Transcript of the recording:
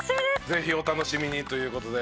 ぜひお楽しみにという事で。